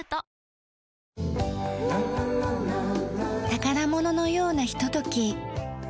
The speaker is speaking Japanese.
宝物のようなひととき。